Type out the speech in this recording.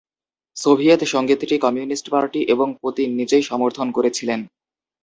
Soviet সংগীতটি communist party এবং Putin নিজেই সমর্থন করেছিলেন।